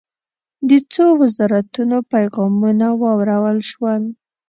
د څو وزارتونو پیغامونه واورل شول.